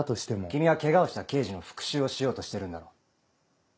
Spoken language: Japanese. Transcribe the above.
君はケガをした刑事の復讐をしようとしてるんだろう。